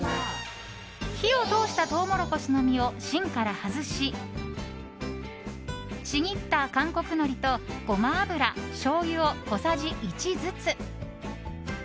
火を通したトウモロコシの実を芯から外しちぎった韓国のりと、ゴマ油しょうゆを小さじ１ずつ。